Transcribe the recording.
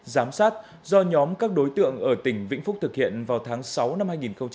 giám sát do nhóm các đối tượng ở tỉnh vĩnh phúc thực hiện vào tháng sáu năm hai nghìn hai mươi ba